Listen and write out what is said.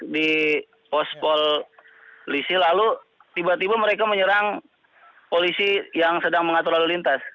di pos polisi lalu tiba tiba mereka menyerang polisi yang sedang mengatur lalu lintas